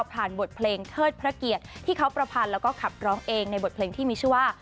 บทเพลงเทิดพระเกียรติที่เขาประพันธ์แล้วก็ขับร้องเองในบทเพลงที่มีชื่อว่า